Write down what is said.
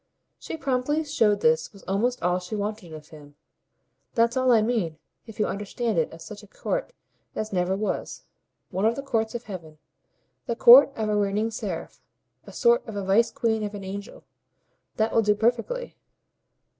She promptly showed how this was almost all she wanted of him. "That's all I mean, if you understand it of such a court as never was: one of the courts of heaven, the court of a reigning seraph, a sort of a vice queen of an angel. That will do perfectly."